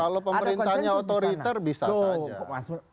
kalau pemerintahnya otoriter bisa kok